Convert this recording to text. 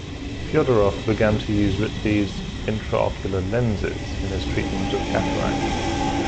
Fyodorov began to use Ridley's intraocular lenses in his treatment of cataract.